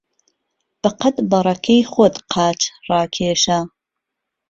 به قهد بهڕهکهی خۆت قاچ ڕاکێشه